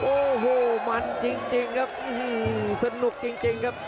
โอ้โหมันจริงครับสนุกจริงครับ